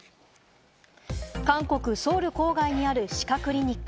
韓国・ソウル郊外にある歯科クリニック。